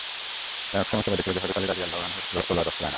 এক সময় সবাই দেখল যে হযরত আলী রাযিয়াল্লাহু আনহু-এর তলোয়ার রক্তে রাঙা।